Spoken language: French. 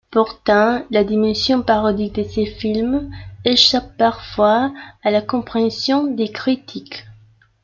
Pourtant, la dimension parodique de ses films échappe parfois à la compréhension des critiques.